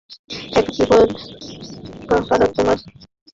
এক দিবস রাজকুমার অমাত্যপুত্রকে সমভিব্যাহারে করিয়া মৃগয়ায় গমন করিলেন।